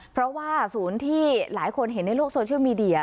เพราะว่าศูนย์ที่หลายคนเห็นในโลกโซเชียลมีเดีย